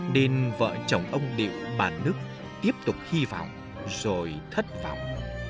nên vợ chồng ông điệu bà đức tiếp tục hy vọng rồi thất vọng